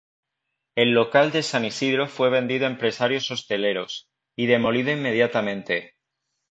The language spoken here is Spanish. El local de San Isidro fue vendido a empresarios hoteleros, y demolido inmediatamente.